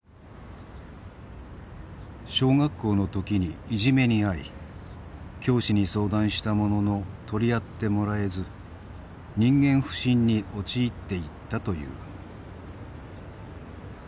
小学校の時にいじめに遭い教師に相談したものの取り合ってもらえず人間不信に陥っていったという。